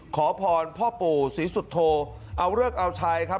ขอพรพ่อปู่ศรีสุโธเอาเลิกเอาชัยครับ